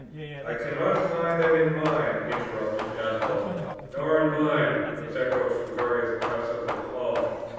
"I cannot find them in mine," interrupted Athol. "Nor in mine!" was echoed from various parts of the hall.